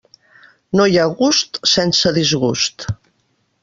No hi ha gust sense disgust.